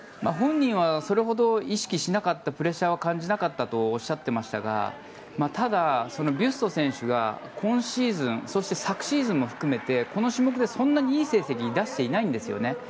本人はそれほど意識しなかったプレッシャーを感じなかったとおっしゃっていましたがただ、ビュスト選手が今シーズンそして昨シーズンも含めてこの種目でそんなにいい成績を出していないんですよね。